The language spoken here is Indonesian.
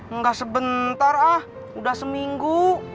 enggak sebentar ah udah seminggu